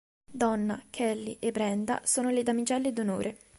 Donna, Kelly e Brenda sono le damigelle d'onore.